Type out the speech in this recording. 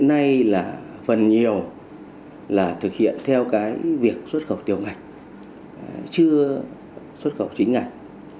hiện nay là phần nhiều là thực hiện theo cái việc xuất khẩu tiểu ngạch chưa xuất khẩu chính ngạch